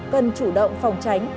cần chủ động phòng chống lũ